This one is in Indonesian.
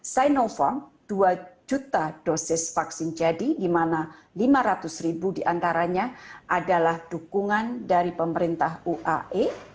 sinovac dua juta dosis vaksin jadi di mana lima ratus ribu diantaranya adalah dukungan dari pemerintah uae